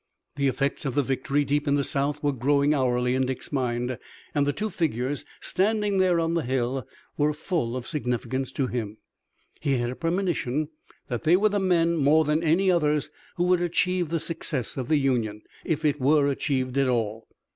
The effects of the victory deep in the South were growing hourly in Dick's mind, and the two figures standing there on the hill were full of significance to him. He had a premonition that they were the men more than any others who would achieve the success of the Union, if it were achieved at all.